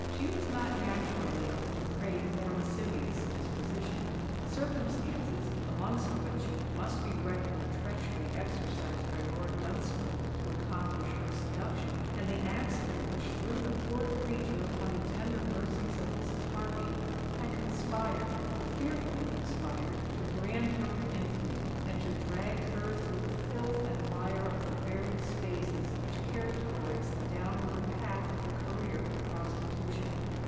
She was not naturally of a depraved nor lascivious disposition. Circumstances—amongst which must be reckoned the treachery exercised by Lord Dunstable to accomplish her seduction, and the accident which threw the poor creature upon the tender mercies of Mrs. Harpy,—had conspired,—fearfully conspired, to brand her with infamy, and to drag her through the filth and mire of the various phases which characterise the downward path of a career of prostitution.